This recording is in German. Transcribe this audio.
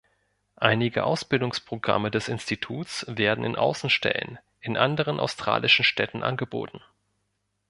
Einige Ausbildungsprogramme des Instituts werden in Außenstellen in anderen australischen Städten angeboten.